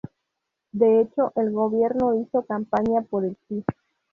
De hecho el Gobierno hizo campaña por el "sí".